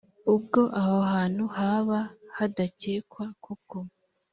ubwo aho hantu haba hadakekwa koko